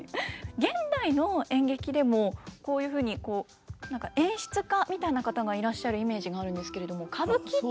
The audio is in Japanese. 現代の演劇でもこういうふうに何か演出家みたいな方がいらっしゃるイメージがあるんですけれども歌舞伎って。